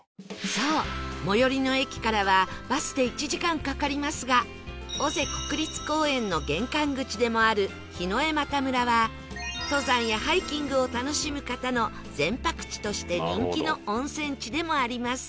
そう最寄りの駅からはバスで１時間かかりますが尾瀬国立公園の玄関口でもある檜枝岐村は登山やハイキングを楽しむ方の前泊地として人気の温泉地でもあります